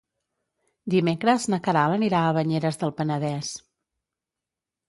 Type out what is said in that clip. Dimecres na Queralt anirà a Banyeres del Penedès.